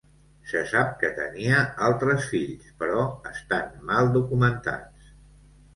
Se sap que tenia altres fills, però estan mal documentats.